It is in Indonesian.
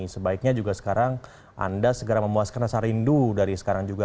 sebaiknya juga sekarang anda segera memuaskan rasa rindu dari sekarang juga